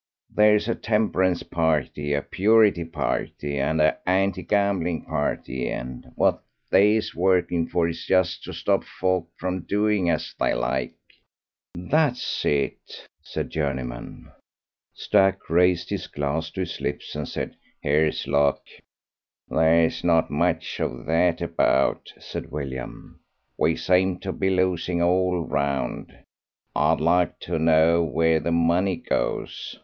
There's a temperance party, a purity party, and a hanti gambling party, and what they is working for is just to stop folk from doing as they like." "That's it," said Journeyman. Stack raised his glass to his lips and said, "Here's luck." "There's not much of that about," said William. "We seem to be losing all round. I'd like to know where the money goes.